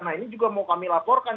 nah ini juga mau kami laporkan